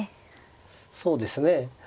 そうですね。